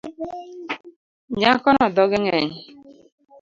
Nyakono dhoge ng’eny